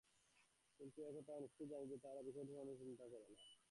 কিন্তু এ-কথাও আমরা নিশ্চয় জানি যে, তাহারা বিষয়টি সম্বন্ধে চিন্তা করে না।